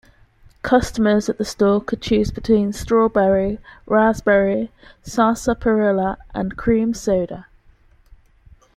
Customers at the store could choose between strawberry, raspberry, sarsaparilla, and cream soda.